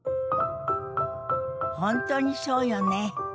本当にそうよね。